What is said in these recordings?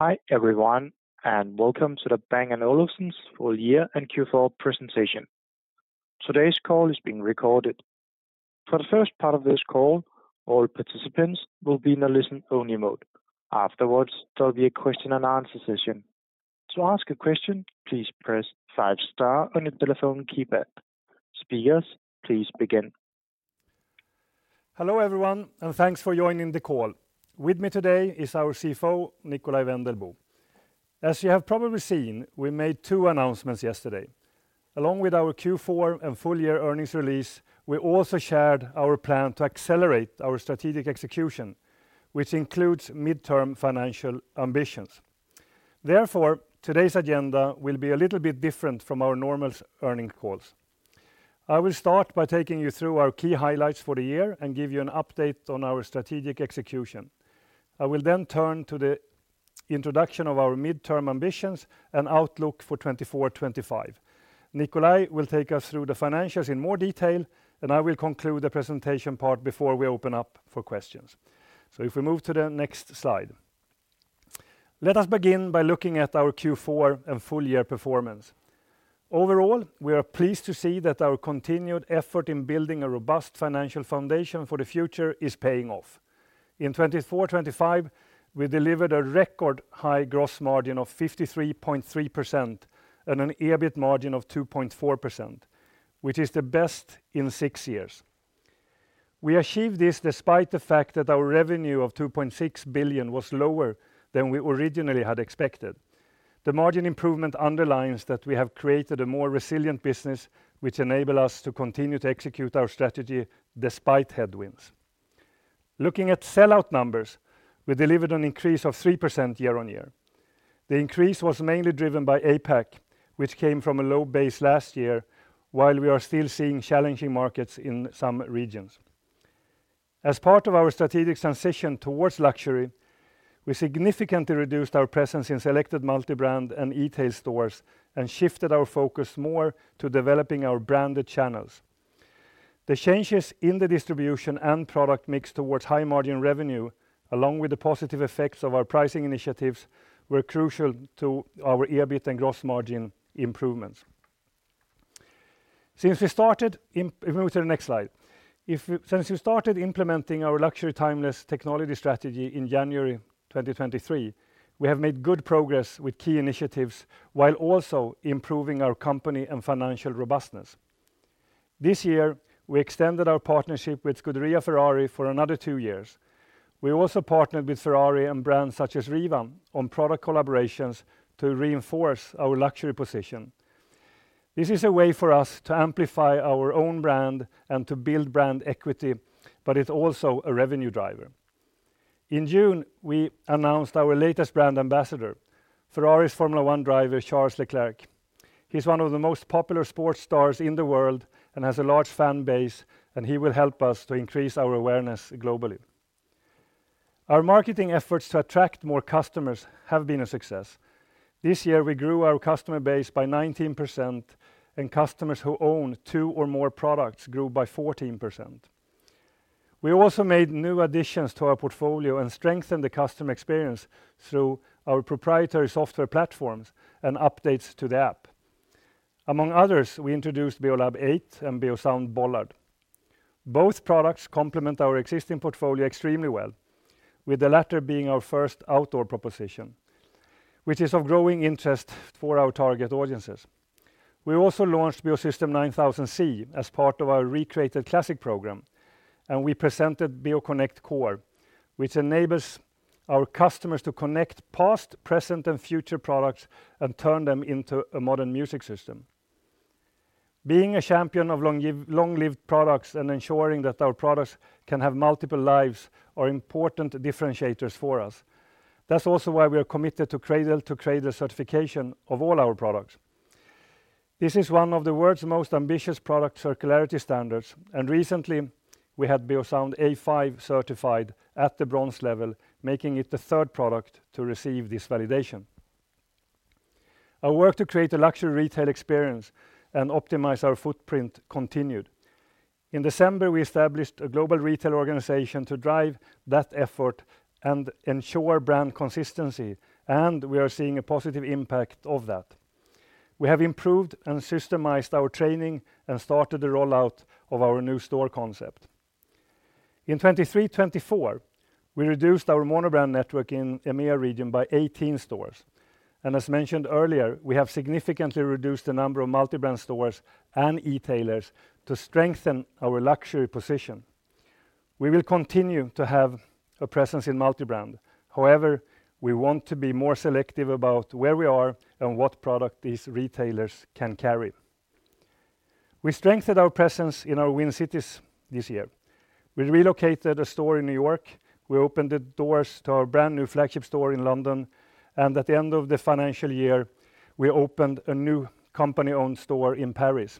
Hi everyone, and welcome to the Bang & Olufsen's full year and Q4 presentation. Today's call is being recorded. For the first part of this call, all participants will be in a listen-only mode. Afterwards, there'll be a question-and-answer session. To ask a question, please press five-star on your telephone keypad. Speakers, please begin. Hello everyone, and thanks for joining the call. With me today is our CFO, Nikolaj Wendelboe. As you have probably seen, we made two announcements yesterday. Along with our Q4 and full year earnings release, we also shared our plan to accelerate our strategic execution, which includes midterm financial ambitions. Therefore, today's agenda will be a little bit different from our normal earnings calls. I will start by taking you through our key highlights for the year and give you an update on our strategic execution. I will then turn to the introduction of our midterm ambitions and outlook for 2024-2025. Nikolaj will take us through the financials in more detail, and I will conclude the presentation part before we open up for questions. So if we move to the next slide. Let us begin by looking at our Q4 and full year performance. Overall, we are pleased to see that our continued effort in building a robust financial foundation for the future is paying off. In 2024-25, we delivered a record high gross margin of 53.3% and an EBIT margin of 2.4%, which is the best in six years. We achieved this despite the fact that our revenue of 2.6 billion was lower than we originally had expected. The margin improvement underlines that we have created a more resilient business, which enables us to continue to execute our strategy despite headwinds. Looking at sellout numbers, we delivered an increase of 3% year-on-year. The increase was mainly driven by APAC, which came from a low base last year, while we are still seeing challenging markets in some regions. As part of our strategic transition towards luxury, we significantly reduced our presence in selected multi-brand and retail stores and shifted our focus more to developing our branded channels. The changes in the distribution and product mix towards high margin revenue, along with the positive effects of our pricing initiatives, were crucial to our EBIT and gross margin improvements. Since we started—if we move to the next slide—since we started implementing our luxury timeless technology strategy in January 2023, we have made good progress with key initiatives while also improving our company and financial robustness. This year, we extended our partnership with Scuderia Ferrari for another two years. We also partnered with Ferrari and brands such as Riva on product collaborations to reinforce our luxury position. This is a way for us to amplify our own brand and to build brand equity, but it's also a revenue driver. In June, we announced our latest brand ambassador, Ferrari's Formula 1 driver, Charles Leclerc. He's one of the most popular sports stars in the world and has a large fan base, and he will help us to increase our awareness globally. Our marketing efforts to attract more customers have been a success. This year, we grew our customer base by 19%, and customers who own two or more products grew by 14%. We also made new additions to our portfolio and strengthened the customer experience through our proprietary software platforms and updates to the app. Among others, we introduced Beolab 8 and Beosound Bollard. Both products complement our existing portfolio extremely well, with the latter being our first outdoor proposition, which is of growing interest for our target audiences. We also launched Beosystem 9000c as part of our Recreated Classics program, and we presented Beoconnect Core, which enables our customers to connect past, present, and future products and turn them into a modern music system. Being a champion of long-lived products and ensuring that our products can have multiple lives are important differentiators for us. That's also why we are committed to cradle-to-cradle certification of all our products. This is one of the world's most ambitious product circularity standards, and recently, we had Beosound A5 certified at the bronze level, making it the third product to receive this validation. Our work to create a luxury retail experience and optimize our footprint continued. In December, we established a global retail organization to drive that effort and ensure brand consistency, and we are seeing a positive impact of that. We have improved and systemized our training and started the rollout of our new store concept. In 2023-2024, we reduced our monobrand network in the EMEA region by 18 stores. As mentioned earlier, we have significantly reduced the number of multi-brand stores and retailers to strengthen our luxury position. We will continue to have a presence in multi-brand. However, we want to be more selective about where we are and what product these retailers can carry. We strengthened our presence in our Win Cities this year. We relocated a store in New York. We opened the doors to our brand new flagship store in London. At the end of the financial year, we opened a new company-owned store in Paris.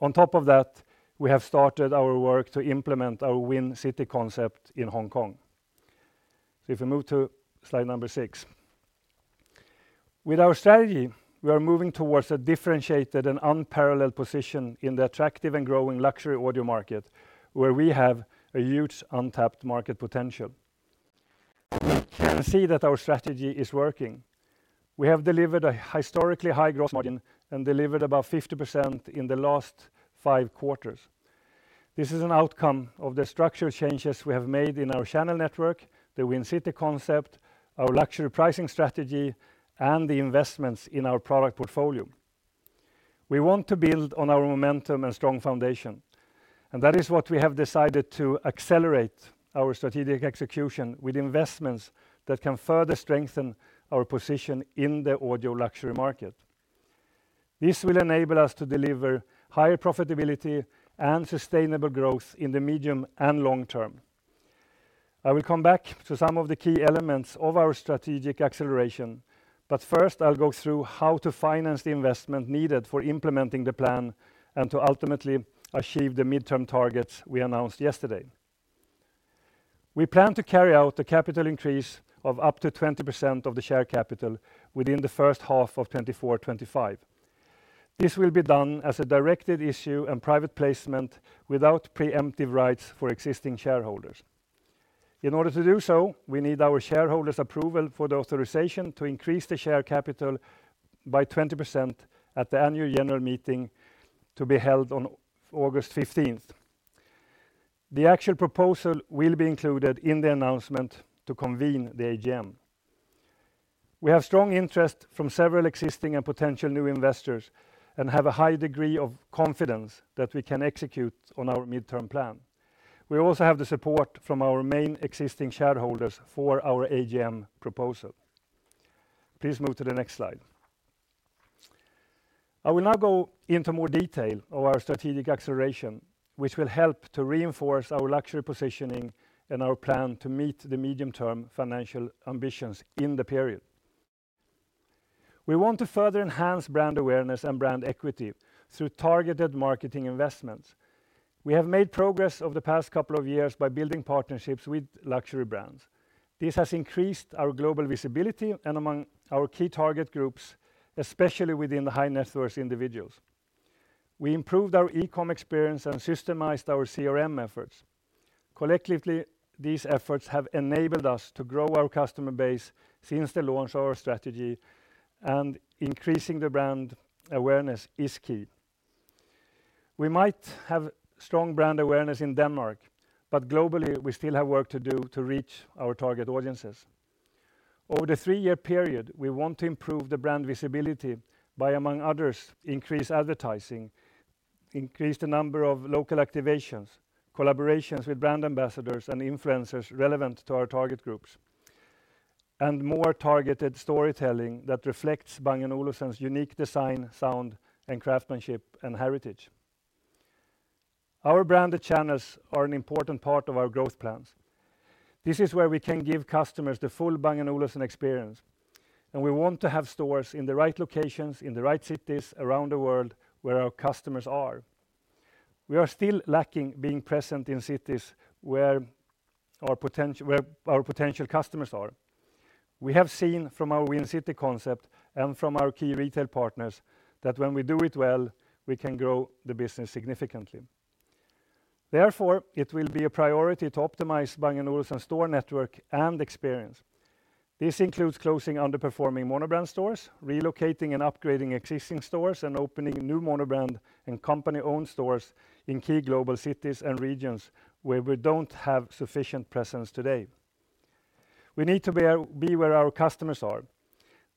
On top of that, we have started our work to implement our Win City concept in Hong Kong. If we move to slide number 6. With our strategy, we are moving towards a differentiated and unparalleled position in the attractive and growing luxury audio market, where we have a huge untapped market potential. We can see that our strategy is working. We have delivered a historically high gross margin and delivered about 50% in the last five quarters. This is an outcome of the structural changes we have made in our channel network, the Win City concept, our luxury pricing strategy, and the investments in our product portfolio. We want to build on our momentum and strong foundation. That is what we have decided to accelerate our strategic execution with investments that can further strengthen our position in the audio luxury market. This will enable us to deliver higher profitability and sustainable growth in the medium and long term. I will come back to some of the key elements of our strategic acceleration, but first, I'll go through how to finance the investment needed for implementing the plan and to ultimately achieve the midterm targets we announced yesterday. We plan to carry out a capital increase of up to 20% of the share capital within the first half of 2024-2025. This will be done as a directed issue and private placement without preemptive rights for existing shareholders. In order to do so, we need our shareholders' approval for the authorization to increase the share capital by 20% at the annual general meeting to be held on August 15th. The actual proposal will be included in the announcement to convene the AGM. We have strong interest from several existing and potential new investors and have a high degree of confidence that we can execute on our midterm plan. We also have the support from our main existing shareholders for our AGM proposal. Please move to the next slide. I will now go into more detail of our strategic acceleration, which will help to reinforce our luxury positioning and our plan to meet the medium-term financial ambitions in the period. We want to further enhance brand awareness and brand equity through targeted marketing investments. We have made progress over the past couple of years by building partnerships with luxury brands. This has increased our global visibility and among our key target groups, especially within the high-net-worth individuals. We improved our e-comm experience and systemized our CRM efforts. Collectively, these efforts have enabled us to grow our customer base since the launch of our strategy, and increasing the brand awareness is key. We might have strong brand awareness in Denmark, but globally, we still have work to do to reach our target audiences. Over the three-year period, we want to improve the brand visibility by, among others, increased advertising, increased the number of local activations, collaborations with brand ambassadors and influencers relevant to our target groups, and more targeted storytelling that reflects Bang & Olufsen's unique design, sound, craftsmanship, and heritage. Our branded channels are an important part of our growth plans. This is where we can give customers the full Bang & Olufsen experience. We want to have stores in the right locations, in the right cities around the world where our customers are. We are still lacking being present in cities where our potential customers are. We have seen from our Win City concept and from our key retail partners that when we do it well, we can grow the business significantly. Therefore, it will be a priority to optimize Bang & Olufsen's store network and experience. This includes closing underperforming monobrand stores, relocating and upgrading existing stores, and opening new monobrand and company-owned stores in key global cities and regions where we don't have sufficient presence today. We need to be where our customers are.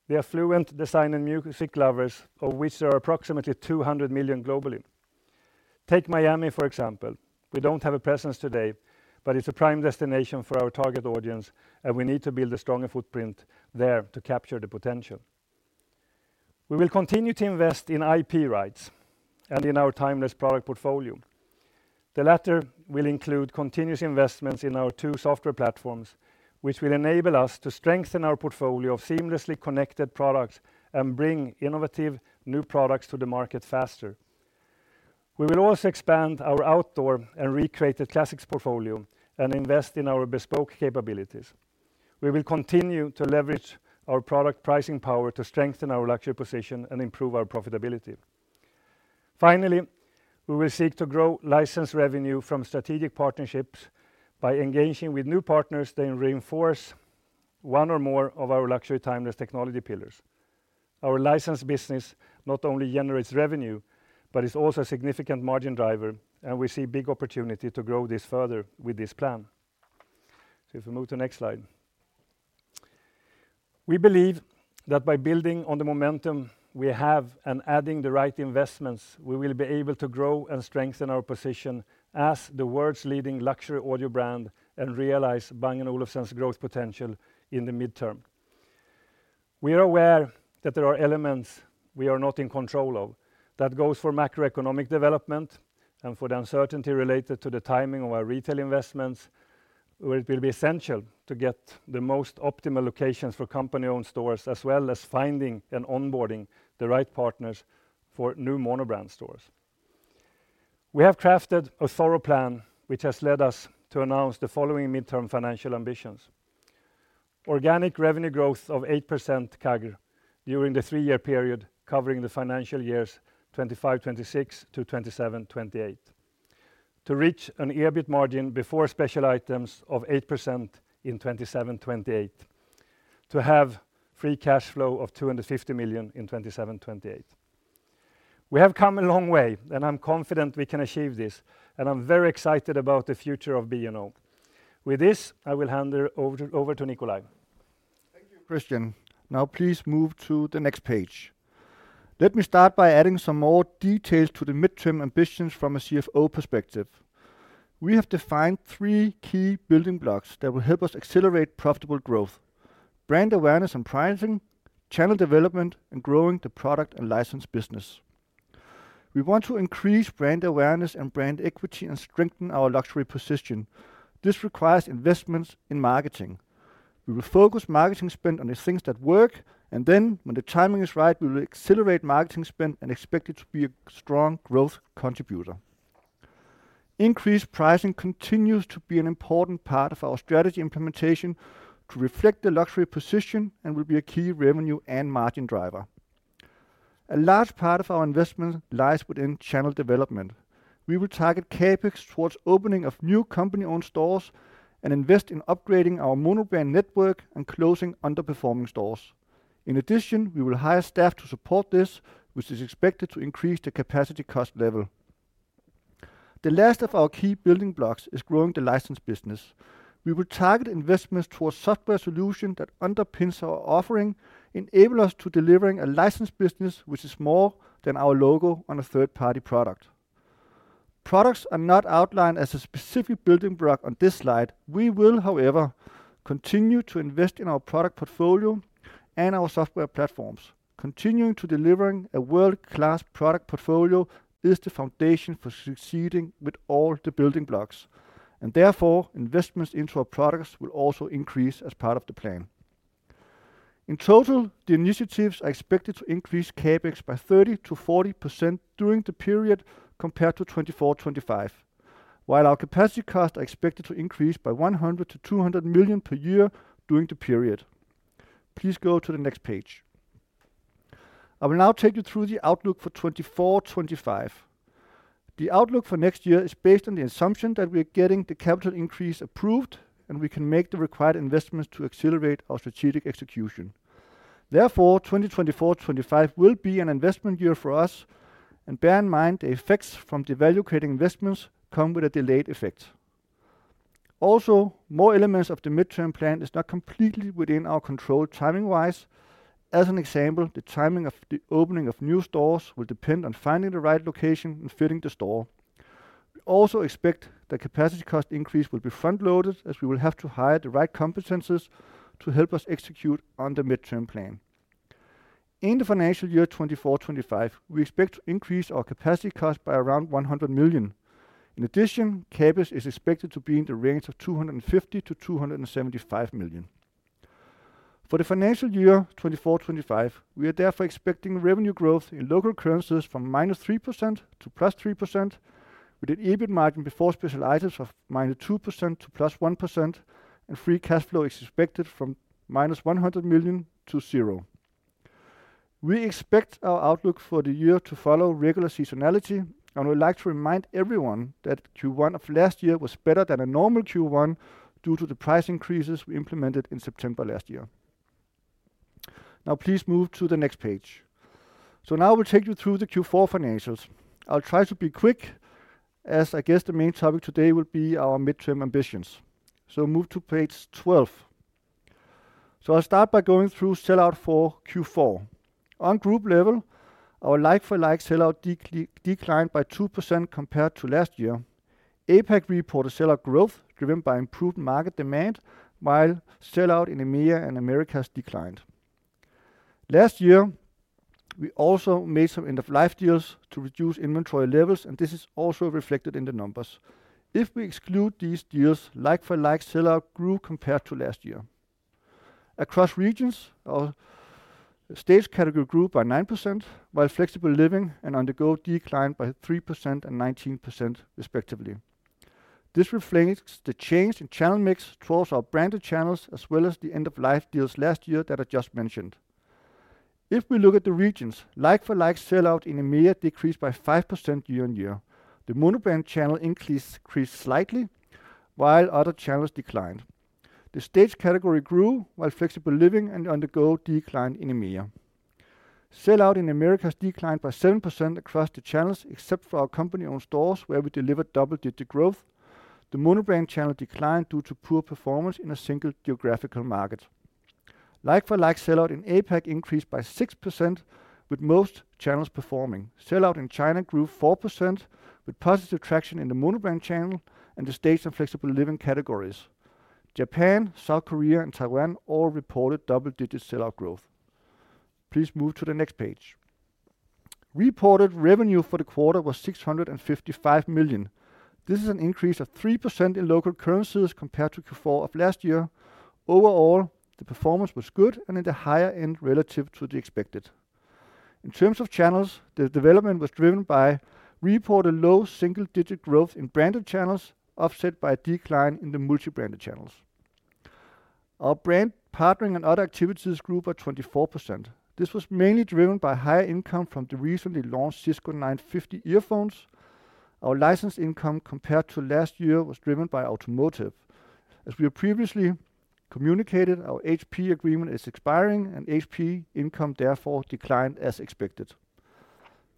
They are fluent design and music lovers, of which there are approximately 200 million globally. Take Miami, for example. We don't have a presence today, but it's a prime destination for our target audience, and we need to build a stronger footprint there to capture the potential. We will continue to invest in IP rights and in our timeless product portfolio. The latter will include continuous investments in our two software platforms, which will enable us to strengthen our portfolio of seamlessly connected products and bring innovative new products to the market faster. We will also expand our outdoor and Recreated Classics portfolio and invest in our bespoke capabilities. We will continue to leverage our product pricing power to strengthen our luxury position and improve our profitability. Finally, we will seek to grow license revenue from strategic partnerships by engaging with new partners that reinforce one or more of our luxury timeless technology pillars. Our license business not only generates revenue, but is also a significant margin driver, and we see a big opportunity to grow this further with this plan. If we move to the next slide. We believe that by building on the momentum we have and adding the right investments, we will be able to grow and strengthen our position as the world's leading luxury audio brand and realize Bang & Olufsen's growth potential in the midterm. We are aware that there are elements we are not in control of that go for macroeconomic development and for the uncertainty related to the timing of our retail investments, where it will be essential to get the most optimal locations for company-owned stores as well as finding and onboarding the right partners for new monobrand stores. We have crafted a thorough plan, which has led us to announce the following midterm financial ambitions: organic revenue growth of 8% CAGR during the three-year period covering the financial years 2025-26 to 2027-28. To reach an EBIT margin before special items of 8% in 2027-28. To have free cash flow of 250 million in 2027-28. We have come a long way, and I'm confident we can achieve this, and I'm very excited about the future of B&O. With this, I will hand it over to Nikolaj. Thank you, Christian. Now, please move to the next page. Let me start by adding some more details to the midterm ambitions from a CFO perspective. We have defined three key building blocks that will help us accelerate profitable growth: brand awareness and pricing, channel development, and growing the product and license business. We want to increase brand awareness and brand equity and strengthen our luxury position. This requires investments in marketing. We will focus marketing spend on the things that work, and then, when the timing is right, we will accelerate marketing spend and expect it to be a strong growth contributor. Increased pricing continues to be an important part of our strategy implementation to reflect the luxury position and will be a key revenue and margin driver. A large part of our investment lies within channel development. We will target CapEx towards opening new company-owned stores and invest in upgrading our monobrand network and closing underperforming stores. In addition, we will hire staff to support this, which is expected to increase the capacity cost level. The last of our key building blocks is growing the license business. We will target investments towards software solutions that underpin our offering, enabling us to deliver a license business which is more than our logo on a third-party product. Products are not outlined as a specific building block on this slide. We will, however, continue to invest in our product portfolio and our software platforms. Continuing to deliver a world-class product portfolio is the foundation for succeeding with all the building blocks. And therefore, investments into our products will also increase as part of the plan. In total, the initiatives are expected to increase CapEx by 30%-40% during the period compared to 2024-25, while our capacity costs are expected to increase by 100% to 200 million per year during the period. Please go to the next page. I will now take you through the outlook for 2024-25. The outlook for next year is based on the assumption that we are getting the capital increase approved, and we can make the required investments to accelerate our strategic execution. Therefore, 2024-25 will be an investment year for us. Bear in mind, the effects from the value-creating investments come with a delayed effect. Also, more elements of the midterm plan are not completely within our control timing-wise. As an example, the timing of the opening of new stores will depend on finding the right location and fitting the store. We also expect the capacity cost increase will be front-loaded, as we will have to hire the right competencies to help us execute on the midterm plan. In the financial year 2024-25, we expect to increase our capacity cost by around 100 million. In addition, CapEx is expected to be in the range of 250 million-275 million. For the financial year 2024-25, we are therefore expecting revenue growth in local currencies from -3% to +3%, with an EBIT margin before special items of -2% to +1%, and free cash flow is expected from -100 million to 0. We expect our outlook for the year to follow regular seasonality, and we would like to remind everyone that Q1 of last year was better than a normal Q1 due to the price increases we implemented in September last year. Now, please move to the next page. Now I will take you through the Q4 financials. I'll try to be quick, as I guess the main topic today will be our midterm ambitions. Move to page 12. I'll start by going through sellout for Q4. On group level, our like-for-like sellout declined by 2% compared to last year. APAC reported sellout growth driven by improved market demand, while sellout in EMEA and Americas declined. Last year, we also made some end-of-life deals to reduce inventory levels, and this is also reflected in the numbers. If we exclude these deals, like-for-like sellout grew compared to last year. Across regions, our stage category grew by 9%, while flexible living and outdoor declined by 3% and 19%, respectively. This reflects the change in channel mix towards our branded channels as well as the end-of-life deals last year that I just mentioned. If we look at the regions, like-for-like sellout in EMEA decreased by 5% year-on-year. The monobrand channel increased slightly, while other channels declined. The stage category grew, while flexible living and outdoor declined in EMEA. Sellout in Americas declined by 7% across the channels, except for our company-owned stores, where we delivered double-digit growth. The monobrand channel declined due to poor performance in a single geographical market. Like-for-like sellout in APAC increased by 6%, with most channels performing. Sellout in China grew 4%, with positive traction in the monobrand channel and the stage and flexible living categories. Japan, South Korea, and Taiwan all reported double-digit sellout growth. Please move to the next page. Reported revenue for the quarter was 655 million. This is an increase of 3% in local currencies compared to Q4 of last year. Overall, the performance was good and in the higher end relative to the expected. In terms of channels, the development was driven by reported low single-digit growth in branded channels, offset by a decline in the multi-branded channels. Our brand partnering and other activities grew by 24%. This was mainly driven by higher income from the recently launched Cisco 950 earphones. Our license income compared to last year was driven by automotive. As we have previously communicated, our HP agreement is expiring, and HP income therefore declined as expected.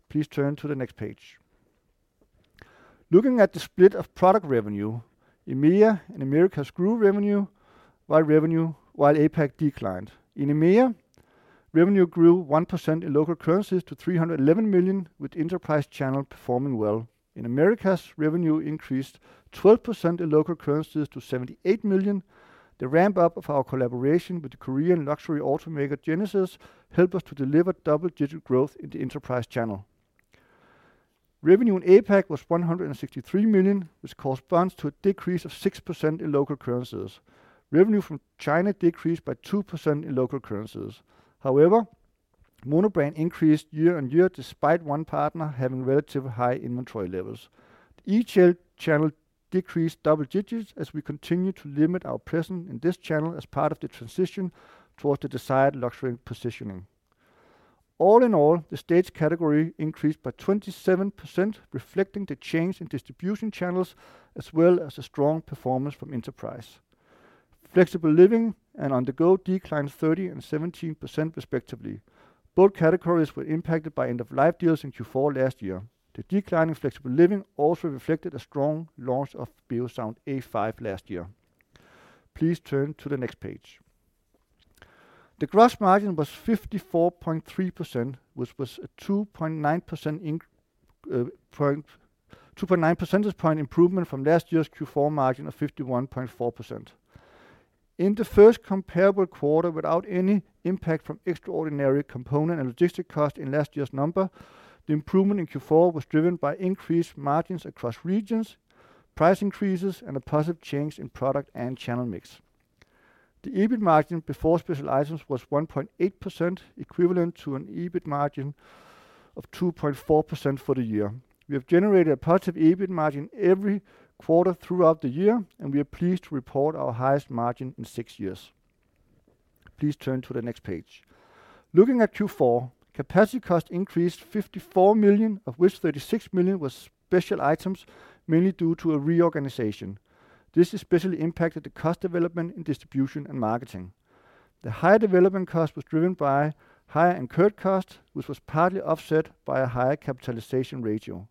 Please turn to the next page. Looking at the split of product revenue, EMEA and Americas grew revenue while APAC declined. In EMEA, revenue grew 1% in local currencies to 311 million, with enterprise channel performing well. In Americas, revenue increased 12% in local currencies to 78 million. The ramp-up of our collaboration with the Korean luxury automaker Genesis helped us to deliver double-digit growth in the enterprise channel. Revenue in APAC was 163 million, which corresponds to a decrease of 6% in local currencies. Revenue from China decreased by 2% in local currencies. However, monobrand increased year on year despite one partner having relatively high inventory levels. The enterprise channel decreased double digits as we continue to limit our presence in this channel as part of the transition towards the desired luxury positioning. All in all, the stage category increased by 27%, reflecting the change in distribution channels as well as a strong performance from enterprise. Flexible living and outdoor declined 30% and 17%, respectively. Both categories were impacted by end-of-life deals in Q4 last year. The decline in flexible living also reflected a strong launch of Beosound A5 last year. Please turn to the next page. The gross margin was 54.3%, which was a 2.9 percentage point improvement from last year's Q4 margin of 51.4%. In the first comparable quarter, without any impact from extraordinary component and logistic costs in last year's number, the improvement in Q4 was driven by increased margins across regions, price increases, and a positive change in product and channel mix. The EBIT margin before special items was 1.8%, equivalent to an EBIT margin of 2.4% for the year. We have generated a positive EBIT margin every quarter throughout the year, and we are pleased to report our highest margin in six years. Please turn to the next page. Looking at Q4, capacity cost increased 54 million, of which 36 million was special items, mainly due to a reorganization. This especially impacted the cost development in distribution and marketing. The higher development cost was driven by higher incurred cost, which was partly offset by a higher capitalization ratio.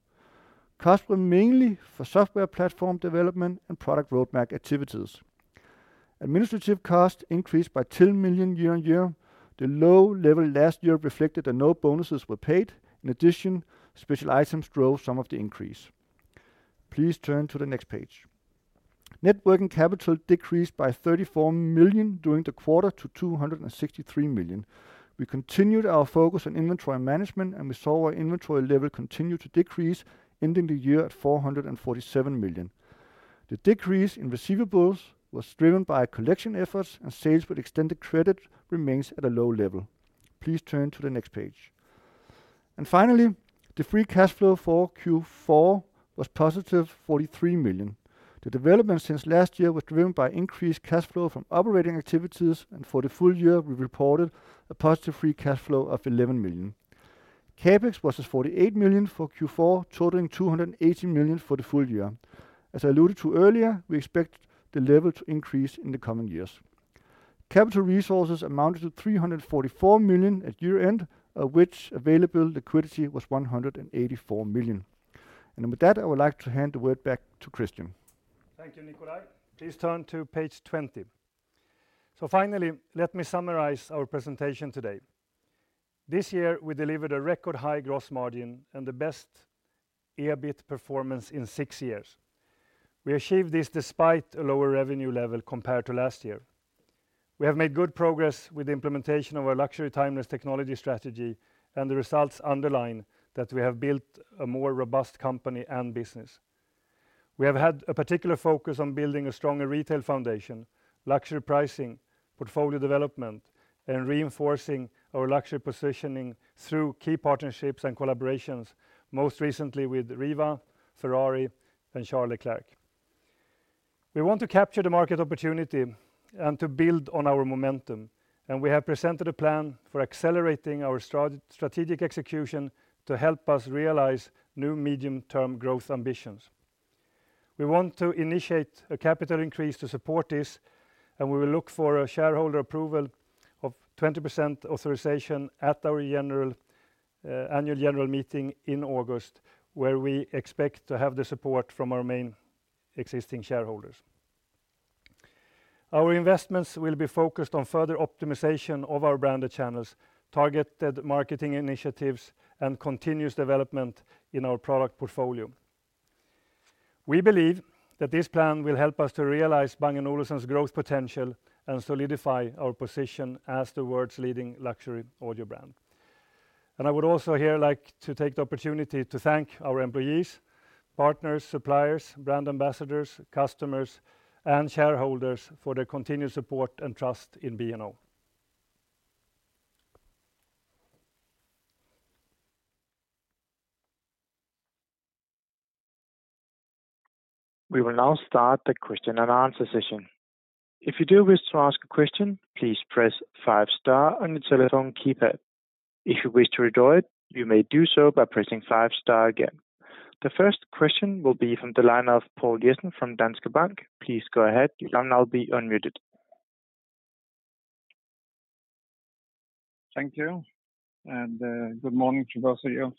Costs were mainly for software platform development and product roadmap activities. Administrative costs increased by 10 million year-on-year. The low level last year reflected that no bonuses were paid. In addition, special items drove some of the increase. Please turn to the next page. working capital decreased by 34 million during the quarter to 263 million. We continued our focus on inventory management, and we saw our inventory level continue to decrease, ending the year at 447 million. The decrease in receivables was driven by collection efforts, and sales with extended credit remain at a low level. Please turn to the next page. And finally, the free cash flow for Q4 was positive 43 million. The development since last year was driven by increased cash flow from operating activities, and for the full year, we reported a positive free cash flow of 11 million. CapEx was 48 million for Q4, totaling 280 million for the full year. As I alluded to earlier, we expect the level to increase in the coming years. Capital resources amounted to 344 million at year-end, of which available liquidity was 184 million. With that, I would like to hand the word back to Christian. Thank you, Nikolaj. Please turn to page 20. Finally, let me summarize our presentation today. This year, we delivered a record-high gross margin and the best EBIT performance in six years. We achieved this despite a lower revenue level compared to last year. We have made good progress with the implementation of our luxury timeless technology strategy, and the results underline that we have built a more robust company and business. We have had a particular focus on building a stronger retail foundation, luxury pricing, portfolio development, and reinforcing our luxury positioning through key partnerships and collaborations, most recently with Riva, Ferrari, and Charles Leclerc. We want to capture the market opportunity and to build on our momentum, and we have presented a plan for accelerating our strategic execution to help us realize new medium-term growth ambitions. We want to initiate a capital increase to support this, and we will look for a shareholder approval of 20% authorization at our annual general meeting in August, where we expect to have the support from our main existing shareholders. Our investments will be focused on further optimization of our branded channels, targeted marketing initiatives, and continuous development in our product portfolio. We believe that this plan will help us to realize Bang & Olufsen's growth potential and solidify our position as the world's leading luxury audio brand. I would also here like to take the opportunity to thank our employees, partners, suppliers, brand ambassadors, customers, and shareholders for their continued support and trust in B&O. We will now start the question and answer session. If you do wish to ask a question, please press 5-star on your telephone keypad. If you wish to redo it, you may do so by pressing 5-star again. The first question will be from the line of Poul Jessen from Danske Bank. Please go ahead. You can now be unmuted. Thank you. And good morning to both of you.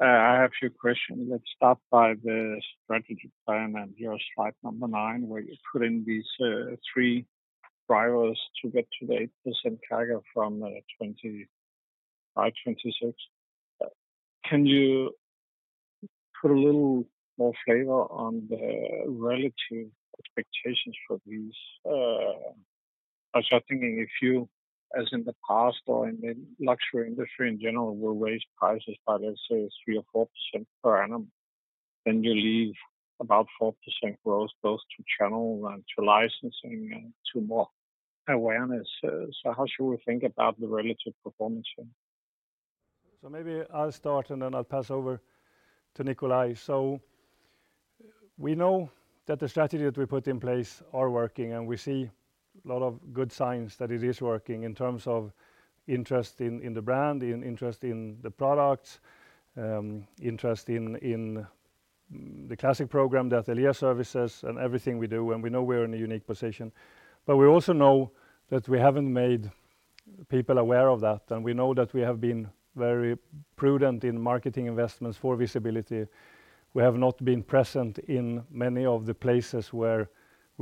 I have a few questions. Let's start by the strategy plan and your slide number 9, where you put in these three drivers to get to the 8% target from 2026. Can you put a little more flavor on the relative expectations for these? I was just thinking, if you, as in the past or in the luxury industry in general, will raise prices by, let's say, 3%-4% per annum, then you leave about 4% growth both to channel and to licensing and to more awareness. So how should we think about the relative performance here? So maybe I'll start and then I'll pass over to Nikolaj. So we know that the strategy that we put in place is working, and we see a lot of good signs that it is working in terms of interest in the brand, in interest in the products, interest in the classic program, the Atelier services and everything we do. And we know we're in a unique position, but we also know that we haven't made people aware of that. And we know that we have been very prudent in marketing investments for visibility. We have not been present in many of the places where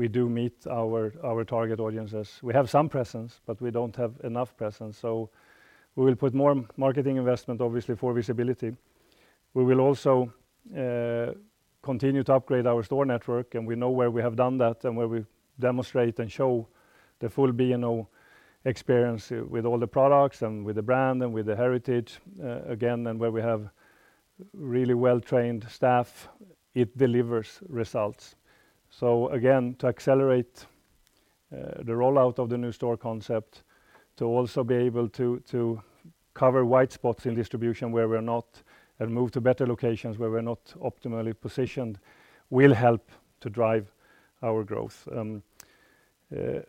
we do meet our target audiences. We have some presence, but we don't have enough presence. So we will put more marketing investment, obviously, for visibility. We will also continue to upgrade our store network, and we know where we have done that and where we demonstrate and show the full B&O experience with all the products and with the brand and with the heritage again, and where we have really well-trained staff. It delivers results. So again, to accelerate the rollout of the new store concept, to also be able to cover white spots in distribution where we're not and move to better locations where we're not optimally positioned will help to drive our growth. And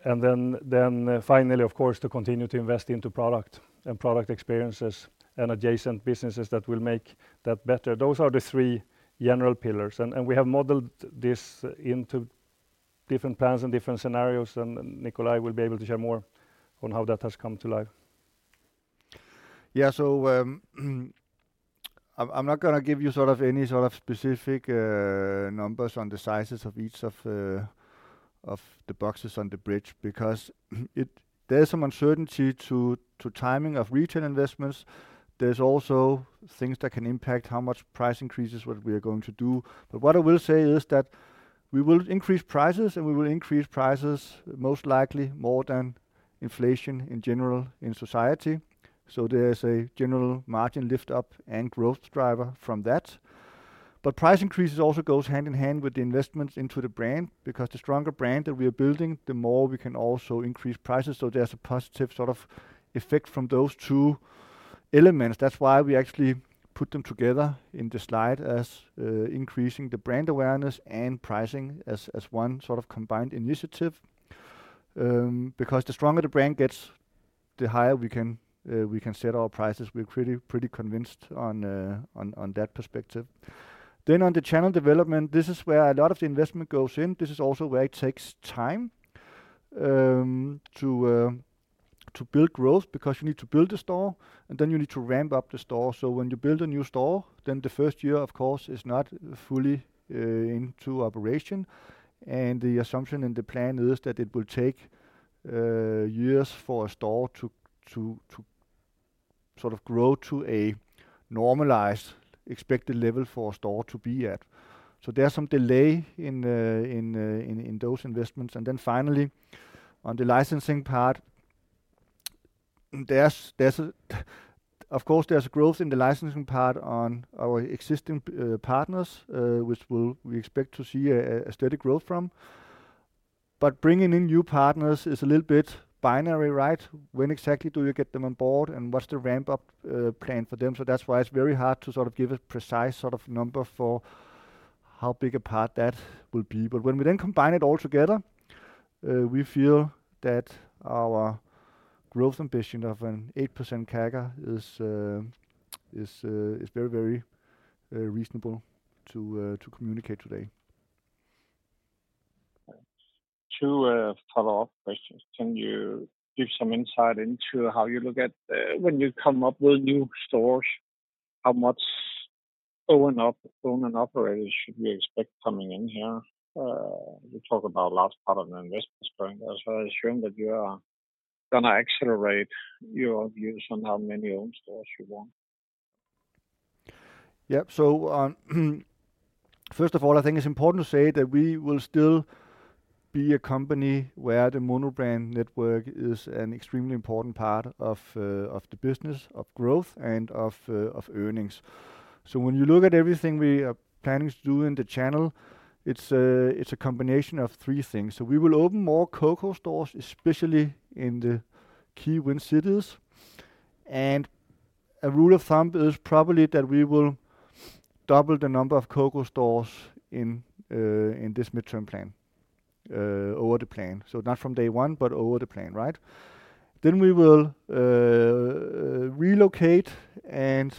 then finally, of course, to continue to invest into product and product experiences and adjacent businesses that will make that better. Those are the three general pillars, and we have modeled this into different plans and different scenarios, and Nikolaj will be able to share more on how that has come to life. Yeah, so I'm not going to give you sort of any sort of specific numbers on the sizes of each of the boxes on the bridge because there's some uncertainty to timing of retail investments. There's also things that can impact how much price increases what we are going to do. But what I will say is that we will increase prices, and we will increase prices most likely more than inflation in general in society. So there's a general margin lift-up and growth driver from that. But price increases also goes hand in hand with the investments into the brand because the stronger brand that we are building, the more we can also increase prices. So there's a positive sort of effect from those two elements. That's why we actually put them together in the slide as increasing the brand awareness and pricing as one sort of combined initiative. Because the stronger the brand gets, the higher we can set our prices. We're pretty convinced on that perspective. Then on the channel development, this is where a lot of the investment goes in. This is also where it takes time to build growth because you need to build the store, and then you need to ramp up the store. So when you build a new store, then the first year, of course, is not fully into operation. And the assumption in the plan is that it will take years for a store to sort of grow to a normalized expected level for a store to be at. So there's some delay in those investments. And then finally, on the licensing part, of course, there's a growth in the licensing part on our existing partners, which we expect to see a steady growth from. But bringing in new partners is a little bit binary, right? When exactly do you get them on board, and what's the ramp-up plan for them? So that's why it's very hard to sort of give a precise sort of number for how big a part that will be. But when we then combine it all together, we feel that our growth ambition of an 8% CAGR is very, very reasonable to communicate today. Two follow-up questions. Can you give some insight into how you look at when you come up with new stores, how much own and operators should you expect coming in here? You talked about the last part of the investment sprint. So assume that you are going to accelerate your views on how many own stores you want. Yep. So first of all, I think it's important to say that we will still be a company where the monobrand network is an extremely important part of the business, of growth, and of earnings. So when you look at everything we are planning to do in the channel, it's a combination of three things. So we will open more COCO stores, especially in the key Win cities. And a rule of thumb is probably that we will double the number of COCO stores in this midterm plan, over the plan. So not from day one, but over the plan, right? Then we will relocate and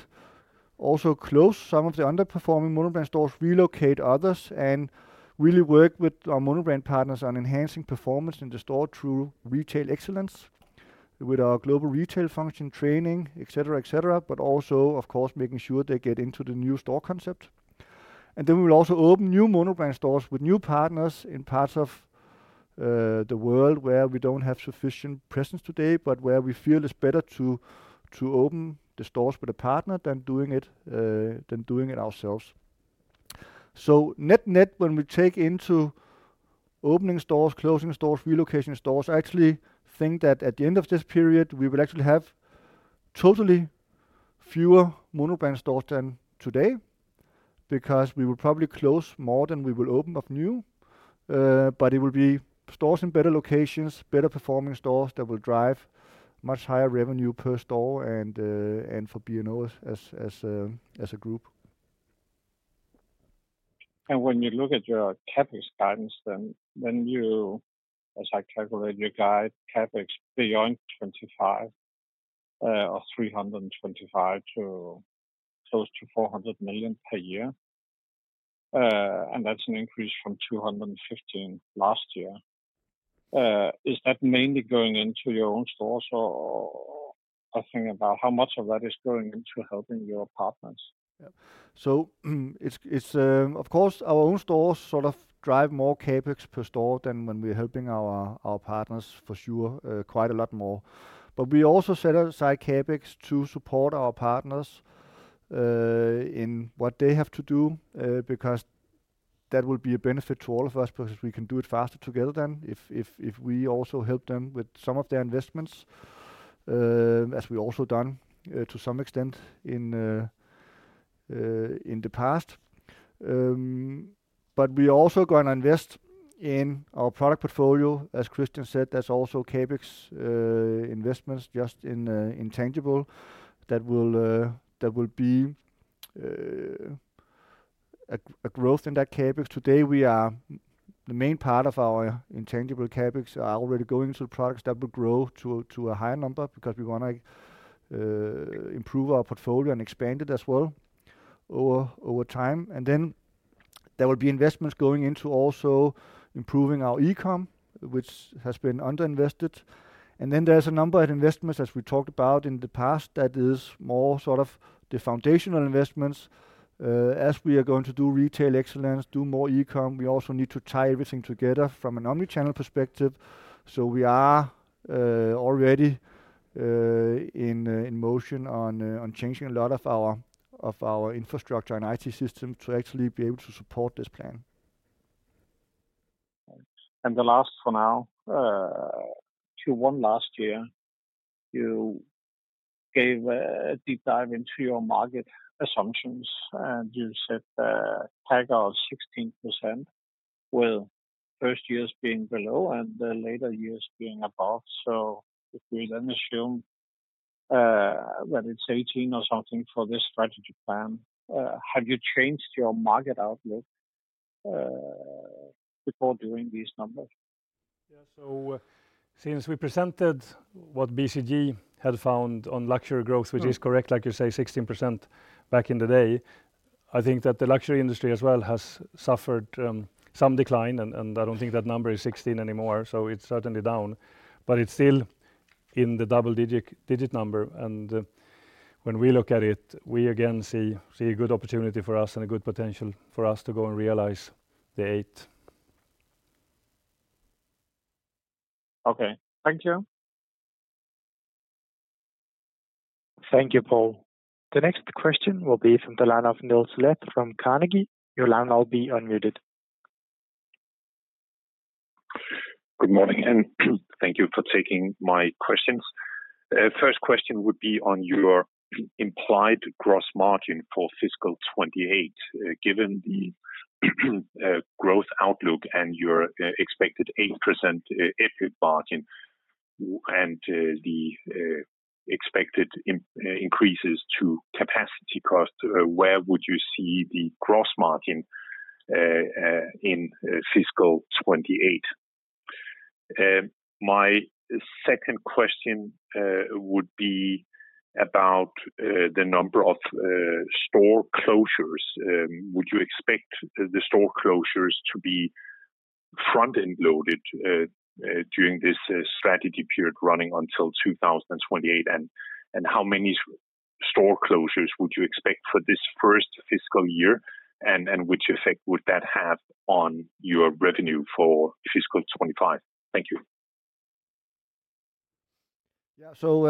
also close some of the underperforming monobrand stores, relocate others, and really work with our monobrand partners on enhancing performance in the store through retail excellence with our global retail function training, etc., etc., but also, of course, making sure they get into the new store concept. And then we will also open new monobrand stores with new partners in parts of the world where we don't have sufficient presence today, but where we feel it's better to open the stores with a partner than doing it ourselves. So net net, when we take into opening stores, closing stores, relocating stores, I actually think that at the end of this period, we will actually have totally fewer monobrand stores than today because we will probably close more than we will open of new. But it will be stores in better locations, better-performing stores that will drive much higher revenue per store and for B&O as a group. When you look at your CapEx guidance, then you, as I calculate your guide, CapEx beyond 25 or 325 to close to 400 million per year. That's an increase from 215 last year. Is that mainly going into your own stores or thinking about how much of that is going into helping your partners? Of course, our own stores sort of drive more CapEx per store than when we're helping our partners, for sure, quite a lot more. But we also set aside CapEx to support our partners in what they have to do because that will be a benefit to all of us because we can do it faster together than if we also help them with some of their investments, as we also done to some extent in the past. But we are also going to invest in our product portfolio. As Christian said, that's also CapEx investments just in intangible that will be a growth in that CapEx. Today, we are the main part of our intangible CapEx are already going into products that will grow to a higher number because we want to improve our portfolio and expand it as well over time. And then there will be investments going into also improving our e-comm, which has been underinvested. Then there's a number of investments, as we talked about in the past, that is more sort of the foundational investments. As we are going to do retail excellence, do more e-comm, we also need to tie everything together from an omnichannel perspective. So we are already in motion on changing a lot of our infrastructure and IT system to actually be able to support this plan. The last for now, to one last year, you gave a deep dive into your market assumptions, and you said CAGR 16% with first years being below and later years being above. So if we then assume that it's 18 or something for this strategy plan, have you changed your market outlook before doing these numbers? Yeah. So since we presented what BCG had found on luxury growth, which is correct, like you say, 16% back in the day, I think that the luxury industry as well has suffered some decline, and I don't think that number is 16 anymore. So it's certainly down, but it's still in the double-digit number. And when we look at it, we again see a good opportunity for us and a good potential for us to go and realize the eight. Okay. Thank you. Thank you, Poul. The next question will be from the line of Niels Oleth from Carnegie. Your line will be unmuted. Good morning, and thank you for taking my questions. First question would be on your implied gross margin for fiscal 2028, given the growth outlook and your expected 8% EBIT margin and the expected increases to capacity cost. Where would you see the gross margin in fiscal 2028? My second question would be about the number of store closures. Would you expect the store closures to be front-end loaded during this strategy period running until 2028? And how many store closures would you expect for this first fiscal year, and which effect would that have on your revenue for fiscal 2025? Thank you. Yeah. So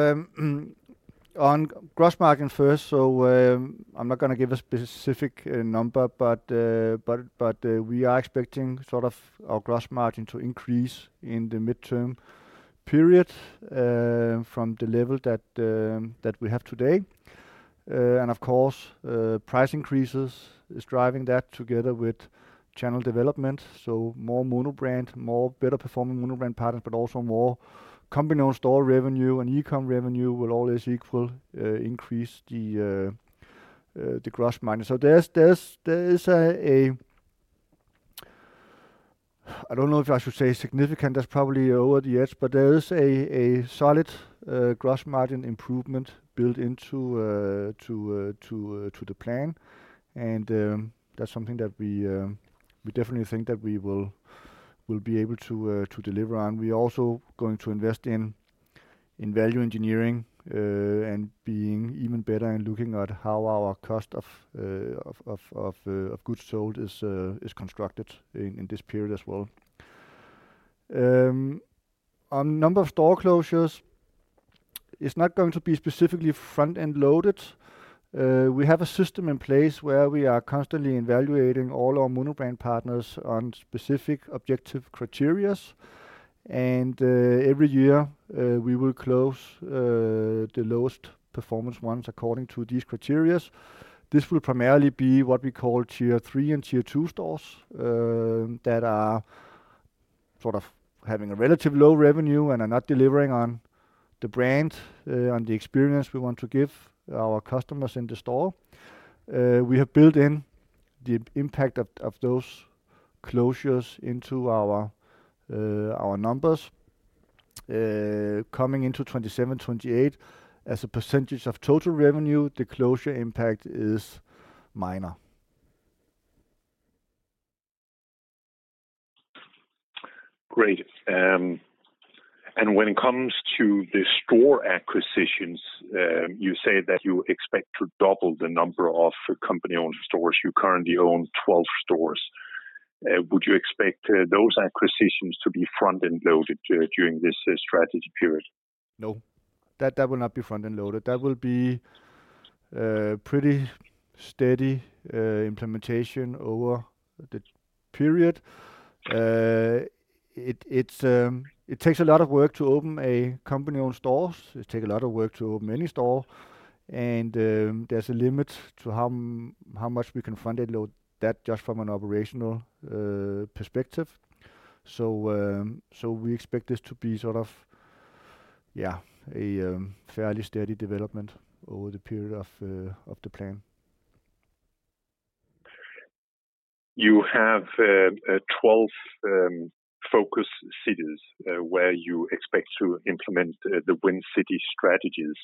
on gross margin first, so I'm not going to give a specific number, but we are expecting sort of our gross margin to increase in the midterm period from the level that we have today. And of course, price increases is driving that together with channel development. So more monobrand, more better-performing monobrand partners, but also more company-owned store revenue and ECOM revenue will always equal increase the gross margin. So there is a, I don't know if I should say significant, that's probably over the edge, but there is a solid gross margin improvement built into the plan. And that's something that we definitely think that we will be able to deliver on. We're also going to invest in value engineering and being even better and looking at how our cost of goods sold is constructed in this period as well. On number of store closures, it's not going to be specifically front-end loaded. We have a system in place where we are constantly evaluating all our monobrand partners on specific objective criteria. And every year, we will close the lowest performance ones according to these criteria. This will primarily be what we call tier three and tier two stores that are sort of having a relatively low revenue and are not delivering on the brand, on the experience we want to give our customers in the store. We have built in the impact of those closures into our numbers. Coming into 2027, 2028, as a percentage of total revenue, the closure impact is minor. Great. And when it comes to the store acquisitions, you say that you expect to double the number of company-owned stores. You currently own 12 stores. Would you expect those acquisitions to be front-end loaded during this strategy period? No. That will not be front-end loaded. That will be pretty steady implementation over the period. It takes a lot of work to open a company-owned store. It takes a lot of work to open any store. There's a limit to how much we can front-end load that just from an operational perspective. So we expect this to be sort of, yeah, a fairly steady development over the period of the plan. You have 12 focus cities where you expect to implement the Win City strategies.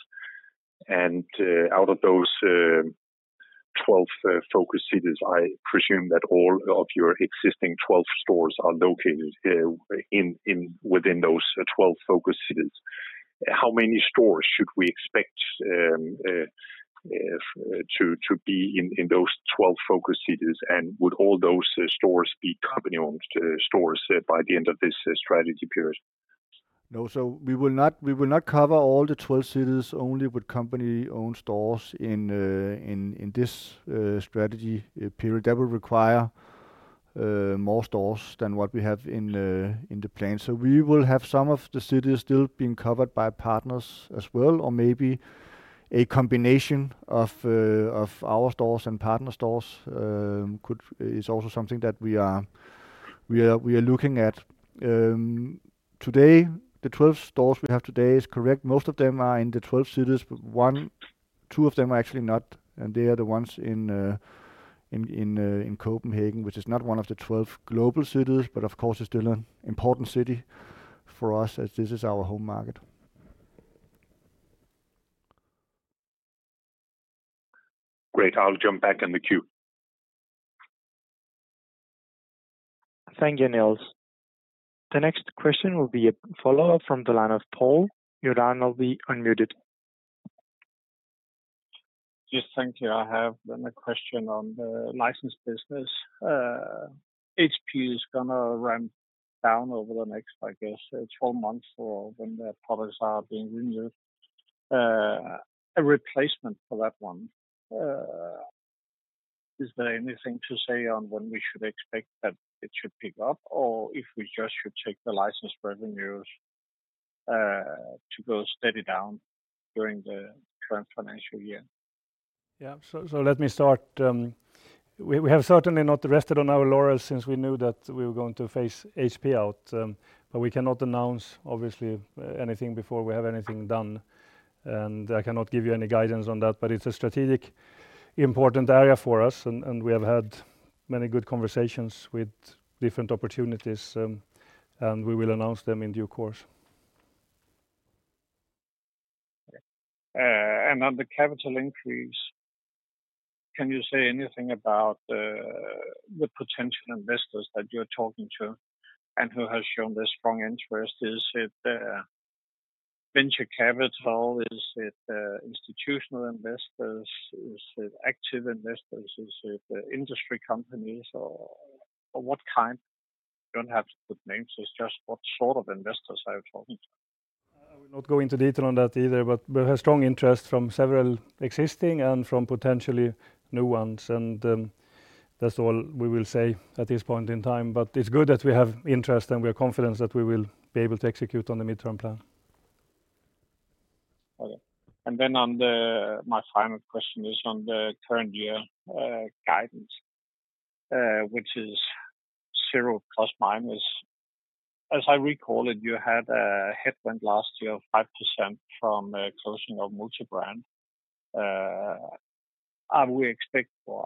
And out of those 12 focus cities, I presume that all of your existing 12 stores are located within those 12 focus cities. How many stores should we expect to be in those 12 focus cities? And would all those stores be company-owned stores by the end of this strategy period? No, so we will not cover all the 12 cities only with company-owned stores in this strategy period. That will require more stores than what we have in the plan. So we will have some of the cities still being covered by partners as well, or maybe a combination of our stores and partner stores is also something that we are looking at. Today, the 12 stores we have today is correct. Most of them are in the 12 cities. 2 of them are actually not, and they are the ones in Copenhagen, which is not one of the 12 global cities, but of course, it's still an important city for us as this is our home market. Great. I'll jump back in the queue. Thank you, Niels. The next question will be a follow-up from the line of Poul. Your line will be unmuted. Yes, thank you. I have a question on the license business. HP is going to ramp down over the next, I guess, 4 months when their products are being renewed. A replacement for that one, is there anything to say on when we should expect that it should pick up, or if we just should take the license revenues to go steadily down during the current financial year? Yeah. So let me start. We have certainly not rested on our laurels since we knew that we were going to phase HP out, but we cannot announce, obviously, anything before we have anything done. And I cannot give you any guidance on that, but it's a strategically important area for us, and we have had many good conversations with different opportunities, and we will announce them in due course. And on the capital increase, can you say anything about the potential investors that you're talking to and who have shown this strong interest? Is it venture capital? Is it institutional investors? Is it active investors? Is it industry companies? Or what kind? You don't have to put names. It's just what sort of investors are you talking to? I will not go into detail on that either, but we have strong interest from several existing and from potentially new ones. And that's all we will say at this point in time. But it's good that we have interest and we are confident that we will be able to execute on the midterm plan. Okay. And then my final question is on the current year guidance, which is 0 ±. As I recall it, you had a headwind last year of 5% from closing of multi-brand. Are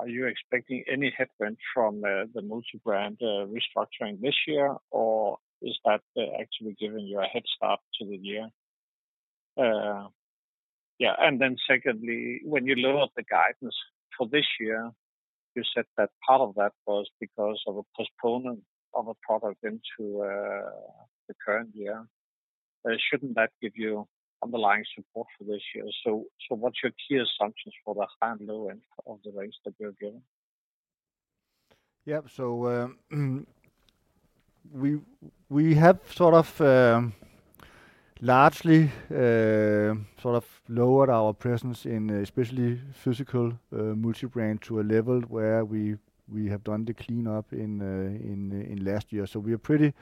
you expecting any headwind from the multi-brand restructuring this year, or is that actually giving you a head start to the year? Yeah. And then secondly, when you look at the guidance for this year, you said that part of that was because of a postponement of a product into the current year. Shouldn't that give you underlying support for this year? So what's your key assumptions for the high and low end of the rates that you're given? Yeah. So we have sort of largely sort of lowered our presence in especially physical multi-brand to a level where we have done the cleanup in last year. So we are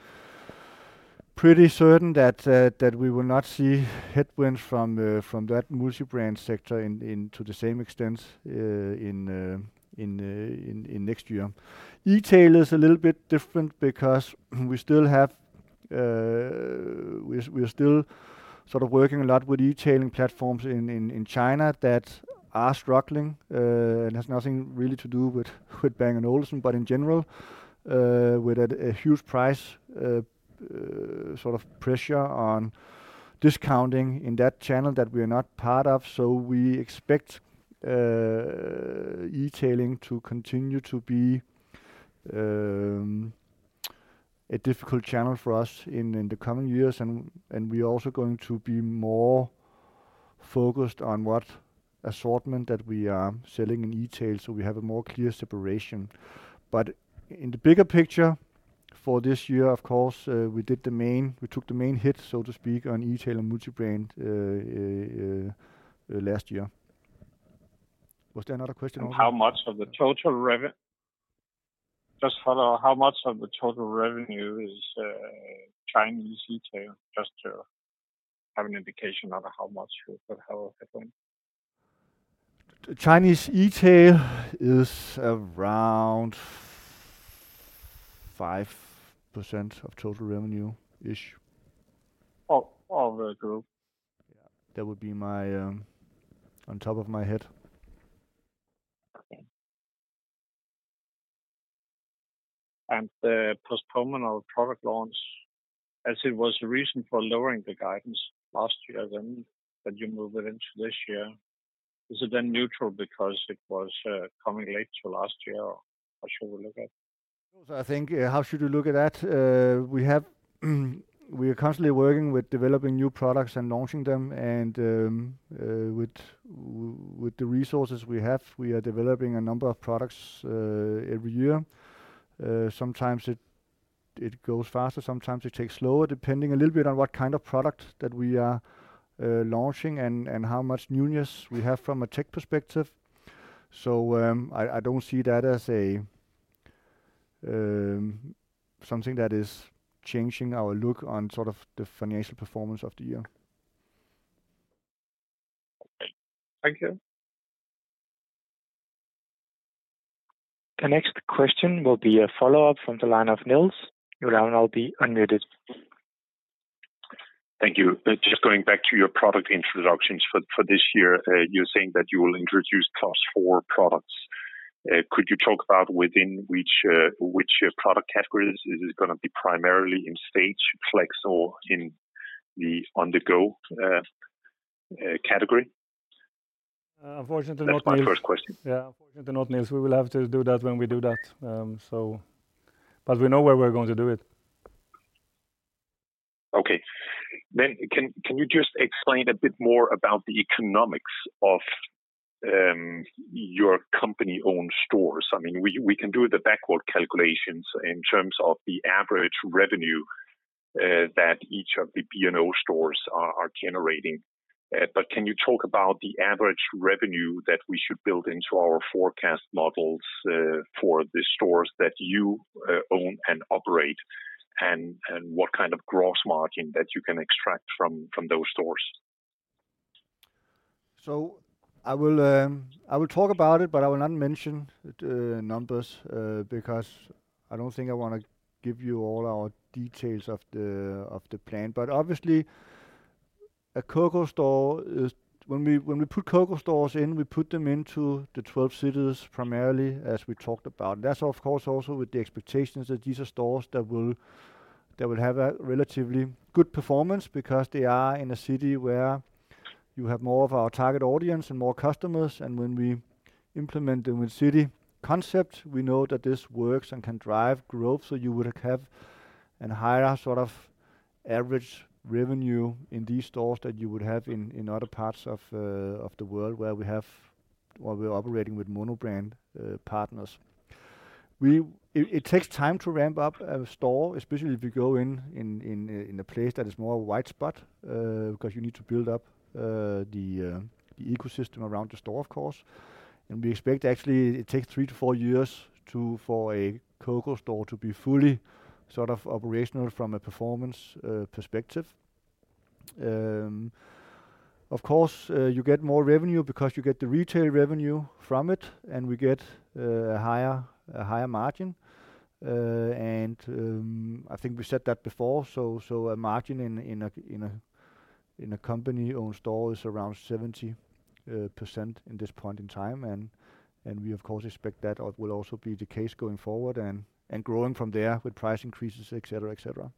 pretty certain that we will not see headwinds from that multi-brand sector into the same extent in next year. E-tail is a little bit different because we're still sort of working a lot with e-tailing platforms in China that are struggling. It has nothing really to do with Bang & Olufsen, but in general, with a huge price sort of pressure on discounting in that channel that we are not part of. So we expect e-tailing to continue to be a difficult channel for us in the coming years. And we are also going to be more focused on what assortment that we are selling in e-tail so we have a more clear separation. But in the bigger picture for this year, of course, we did the main we took the main hit, so to speak, on e-tail and multi-brand last year. Was there another question? How much of the total revenue just follow how much of the total revenue is Chinese e-tail just to have an indication on how much you could have a headwind? Chinese e-tail is around 5% of total revenue-ish. Of the group? Yeah. That would be my off the top of my head. Okay. And the postponement of the product launch, as it was the reason for lowering the guidance last year, then that you moved it into this year, is it then neutral because it was coming late to last year or how should we look at it? I think, how should you look at that? We are constantly working with developing new products and launching them. And with the resources we have, we are developing a number of products every year. Sometimes it goes faster. Sometimes it takes slower, depending a little bit on what kind of product that we are launching and how much newness we have from a tech perspective. So I don't see that as something that is changing our outlook on sort of the financial performance of the year. Okay. Thank you. The next question will be a follow-up from the line of Niels. Your line will be unmuted. Thank you. Just going back to your product introductions for this year, you're saying that you will introduce class four products. Could you talk about within which product categories? Is it going to be primarily in stage, flex, or in the on-the-go category? Unfortunately, not Niels. That's my first question. Yeah. Unfortunately, not Niels. We will have to do that when we do that. But we know where we're going to do it. Okay. Then can you just explain a bit more about the economics of your company-owned stores? I mean, we can do the backward calculations in terms of the average revenue that each of the B&O stores are generating. But can you talk about the average revenue that we should build into our forecast models for the stores that you own and operate, and what kind of gross margin that you can extract from those stores? So I will talk about it, but I will not mention the numbers because I don't think I want to give you all our details of the plan. But obviously, a COCO store, when we put COCO stores in, we put them into the 12 cities primarily, as we talked about. That's, of course, also with the expectations that these are stores that will have a relatively good performance because they are in a city where you have more of our target audience and more customers. And when we implement the Win City concept, we know that this works and can drive growth. So you would have a higher sort of average revenue in these stores than you would have in other parts of the world where we have or we're operating with monobrand partners. It takes time to ramp up a store, especially if you go in a place that is more of a white spot because you need to build up the ecosystem around the store, of course. And we expect actually it takes 3-4 years for a COCO store to be fully sort of operational from a performance perspective. Of course, you get more revenue because you get the retail revenue from it, and we get a higher margin. And I think we said that before. So a margin in a company-owned store is around 70% in this point in time. We, of course, expect that will also be the case going forward and growing from there with price increases, etc., etc.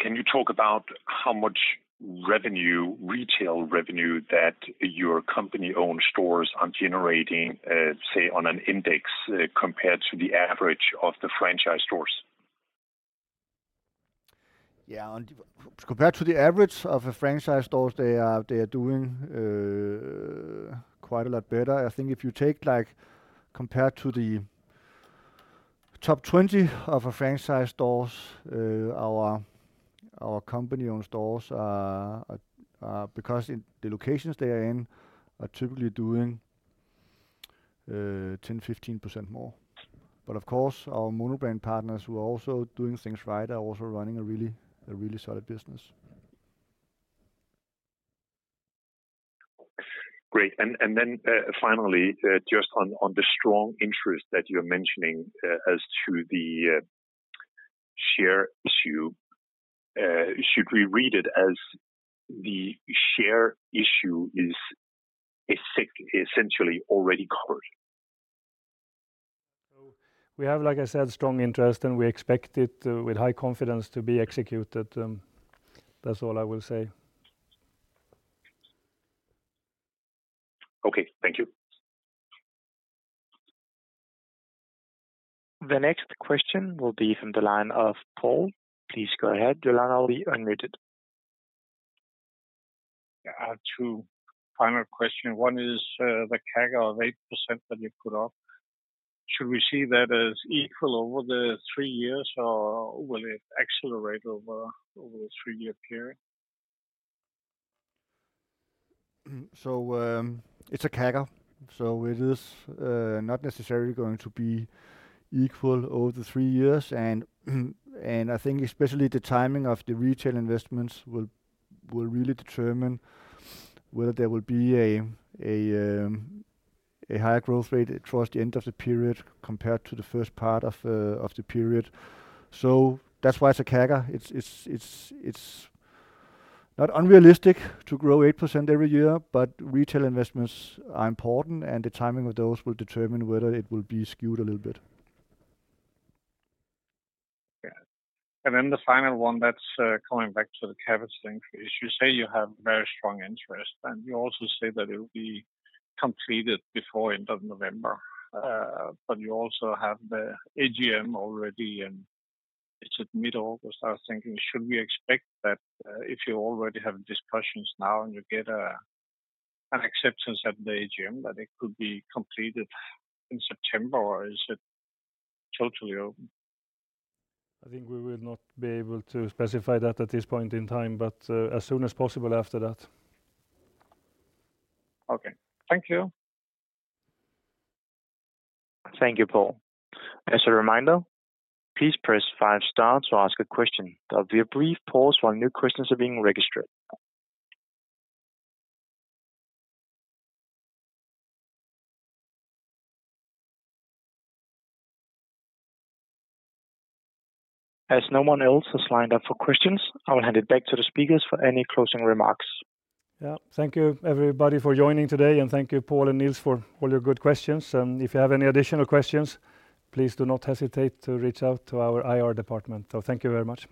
Can you talk about how much retail revenue that your company-owned stores are generating, say, on an index compared to the average of the franchise stores? Yeah. Compared to the average of the franchise stores, they are doing quite a lot better. I think if you take compared to the top 20 of our franchise stores, our company-owned stores are because the locations they are in are typically doing 10%-15% more. But of course, our monobrand partners who are also doing things right are also running a really solid business. Great. Then finally, just on the strong interest that you're mentioning as to the share issue, should we read it as the share issue is essentially already covered? We have, like I said, strong interest, and we expect it with high confidence to be executed. That's all I will say. Okay. Thank you. The next question will be from the line of Poul. Please go ahead. Your line will be unmuted. I have two final questions. One is the CAGR of 8% that you put up. Should we see that as equal over the three years, or will it accelerate over the three-year period? So it's a CAGR. So it is not necessarily going to be equal over the three years. And I think especially the timing of the retail investments will really determine whether there will be a higher growth rate towards the end of the period compared to the first part of the period. So that's why it's a CAGR. It's not unrealistic to grow 8% every year, but retail investments are important, and the timing of those will determine whether it will be skewed a little bit. Then the final one that's coming back to the CapEx thing, as you say, you have very strong interest, and you also say that it will be completed before the end of November. But you also have the AGM already, and it's at mid-August. I was thinking, should we expect that if you already have discussions now and you get an acceptance at the AGM, that it could be completed in September, or is it totally open? I think we will not be able to specify that at this point in time, but as soon as possible after that. Okay. Thank you. Thank you, Poul. As a reminder, please press five stars or ask a question. There will be a brief pause while new questions are being registered. As no one else has lined up for questions, I will hand it back to the speakers for any closing remarks. Yeah. Thank you, everybody, for joining today, and thank you, Poul and Niels, for all your good questions. If you have any additional questions, please do not hesitate to reach out to our IR department. Thank you very much.